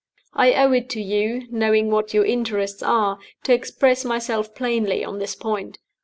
I owe it to you (knowing what your interests are) to express myself plainly on this point.